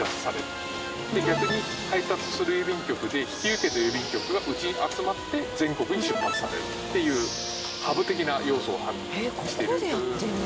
で逆に配達する郵便局で引き受けた郵便局がうちに集まって全国に出発されるっていうハブ的な要素を発揮してるになってる郵便局。